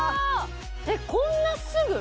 えっこんなすぐ？